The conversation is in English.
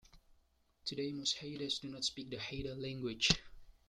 Today most Haidas do not speak the Haida language.